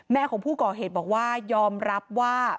แม่ของผู้ก่อเหตุบอกว่ายอมรับว่า